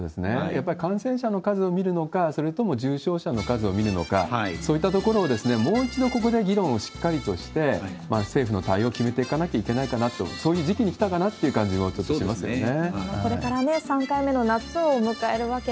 やっぱり感染者の数を見るのか、それとも重症者の数を見るのか、そういったところをもう一度ここで議論をしっかりとして、政府の対応を決めていかなきゃいけないかなと、そういう時期に来たかなって感じも、ちょっとしますね。